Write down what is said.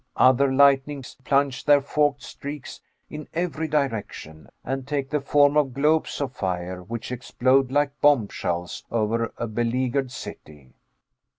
Other lightnings plunge their forked streaks in every direction, and take the form of globes of fire, which explode like bombshells over a beleaguered city.